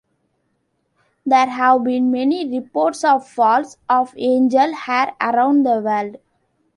There have been many reports of falls of angel hair around the world.